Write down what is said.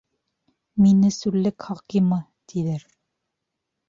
— Мине сүллек хакимы, тиҙәр.